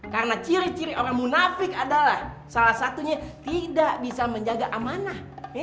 karena ciri ciri orang munafik adalah salah satunya tidak bisa menjaga amanah